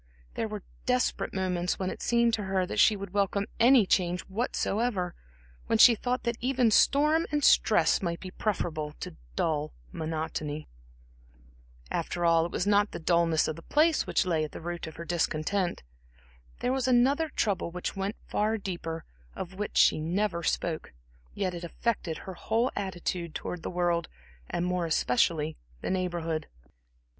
There were desperate moments when it seemed to her that she would welcome any change whatsoever, when she thought that even storm and stress might be preferable to dull monotony. After all, it was not the dullness of the place which lay at the root of her discontent. There was another trouble which went far deeper of which she never spoke; yet it affected her whole attitude towards the world, and more especially the Neighborhood.